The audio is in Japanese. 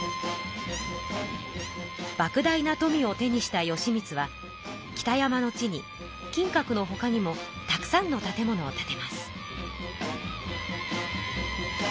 ばく大な富を手にした義満は北山の地に金閣のほかにもたくさんの建物を建てます。